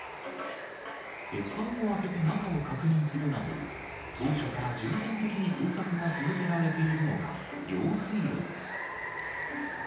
鉄板を開けて中を確認するなど、当所から重点的に捜索が続けられているのが用水路です。